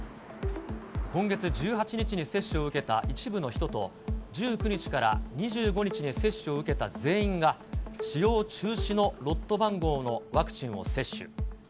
今月１８日に接種を受けた一部の人と、１９日から２５日に接種を受けた全員が、使用中止のロット番号のワクチンを接種。